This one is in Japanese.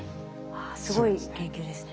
すごい研究ですね。